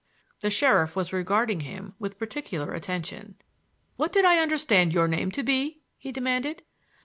The sheriff was regarding him with particular attention. "What did I understand your name to be?" he demanded.